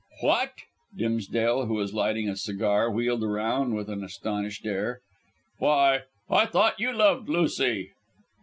"What!" Dimsdale, who was lighting a cigar, wheeled round with an astonished air. "Why, I thought you loved Lucy?"